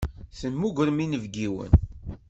Temmugrem inebgiwen.